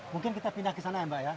mungkin kita pindah ke sana ya mbak ya